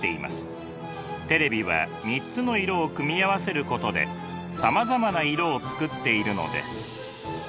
テレビは３つの色を組み合わせることでさまざまな色を作っているのです。